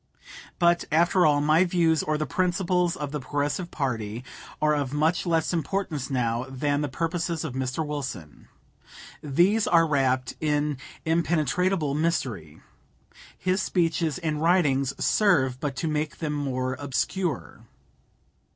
But, after all, my views or the principles of the Progressive party are of much less importance now than the purposes of Mr. Wilson. These are wrapped in impenetrable mystery. His speeches and writings serve but to make them more obscure.